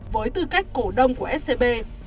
với tư cách cổ đông của scb